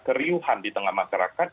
keriuhan di tengah masyarakat